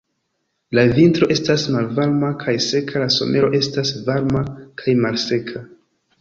La vintro estas malvarma kaj seka, la somero estas varma kaj malseka.